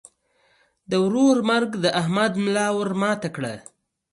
د ورور مرګ د احمد ملا ور ماته کړه.